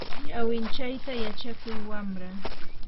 ñawinchayta yachakuy wamra.